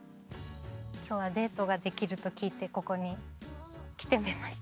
今日はデートができると聞いてここに来てみました。